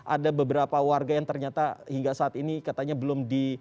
ada beberapa warga yang ternyata hingga saat ini katanya belum di